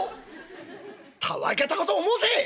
「たわけたことを申せ！